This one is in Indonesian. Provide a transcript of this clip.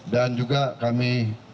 dan juga kami